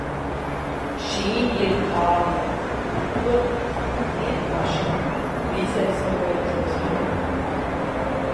Šī ir tā diena! Protams, ir kašķi, visiem sabojāts noskaņojums.